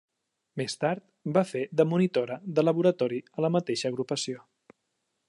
Més tard va fer de monitora de laboratori a la mateixa Agrupació.